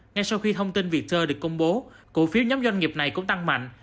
ngay sau khi thông tin việt tu được công bố cổ phiếu nhóm doanh nghiệp này cũng tăng mạnh